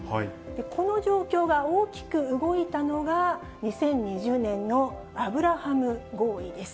この状況が大きく動いたのが、２０２０年のアブラハム合意です。